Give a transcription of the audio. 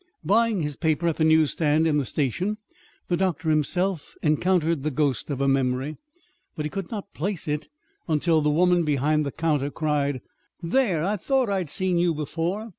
Buying his paper at the newsstand in the station, the doctor himself encountered the ghost of a memory. But he could not place it until the woman behind the counter cried: "There! I thought I'd seen you before.